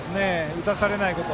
打たされないこと。